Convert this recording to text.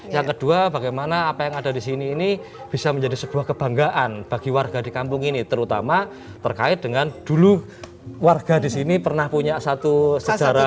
yang kedua bagaimana apa yang ada di sini ini bisa menjadi sebuah kebanggaan bagi warga di kampung ini terutama terkait dengan dulu warga di sini pernah punya satu sejarah